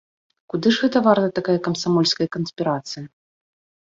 Куды ж гэта варта такая камсамольская канспірацыя!